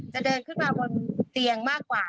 จะเดินขึ้นมาบนเตียงมากกว่า